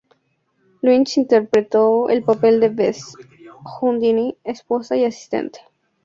Lynch interpretó el papel de Bess Houdini, esposa y asistente.